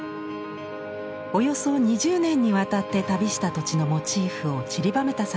およそ２０年にわたって旅した土地のモチーフをちりばめた作品です。